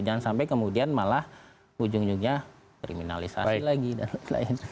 jangan sampai kemudian malah ujung ujungnya kriminalisasi lagi dan lain lain